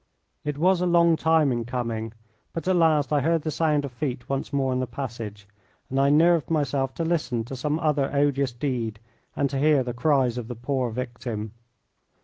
It was a long time in coming, but at last I heard the sound of feet once more in the passage, and I nerved myself to listen to some other odious deed and to hear the cries of the poor victim.